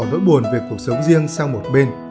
nỗi buồn về cuộc sống riêng sang một bên